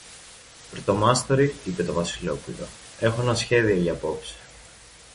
Πρωτομάστορη, είπε το Βασιλόπουλο, έχω ένα σχέδιο για απόψε.